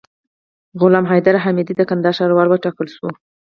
غلام حیدر حمیدي د کندهار ښاروال وټاکل سو